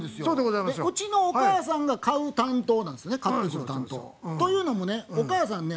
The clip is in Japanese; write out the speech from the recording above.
うちのお母さんが買う担当なんですよね買ってくる担当。というのもねお母さんね